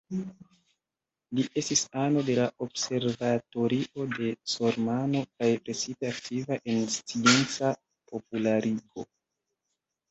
Li estis ano de la Observatorio de Sormano kaj precipe aktiva en scienca popularigo.